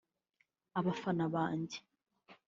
“abafana banjye